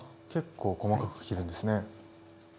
結構細かく切るんですね。